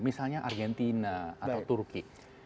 misalnya argentina atau turki